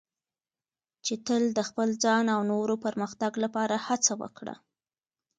چې تل د خپل ځان او نورو پرمختګ لپاره هڅه وکړه.